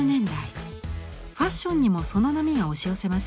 ファッションにもその波が押し寄せます。